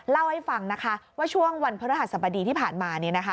เล่าให้ฟังนะคะว่าช่วงวันพระรหัสบดีที่ผ่านมา